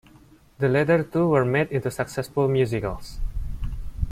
The latter two were made into successful musicals.